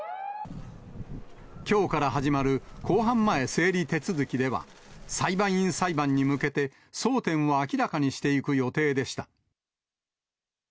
きょうから始まる公判前整理手続きでは、裁判員裁判に向けて、争点を明らかにしていく予定でした。